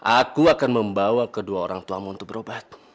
aku akan membawa kedua orang tuamu untuk berobat